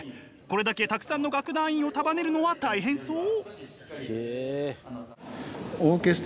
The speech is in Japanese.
これだけたくさんの楽団員を束ねるのは大変そう。